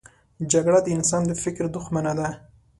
جګړه د انسان د فکر دښمنه ده